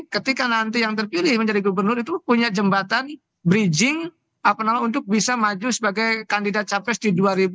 ketika nanti yang terpilih menjadi gubernur itu punya jembatan bridging untuk bisa maju sebagai kandidat capres di dua ribu dua puluh